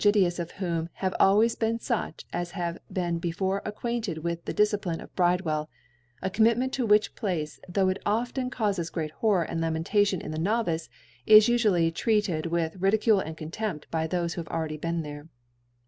tious of whom, have always been fuch as have been before acoiuintcd with the Dil'cipline of Bridcrmll :.\ F " ACotr.. (98) A Commitment to which Place, ibo* it of ten caufes great Horror and Lamentation in the Novice, is ufually treated with Ridicule and Contempt by thofe who have already been there.